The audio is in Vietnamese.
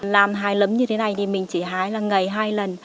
làm hai lấm như thế này thì mình chỉ hái là ngày hai lần